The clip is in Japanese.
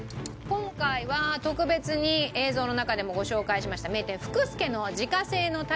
今回は特別に映像の中でもご紹介しました名店。もご用意致しました。